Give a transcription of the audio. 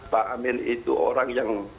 pak amin itu orang yang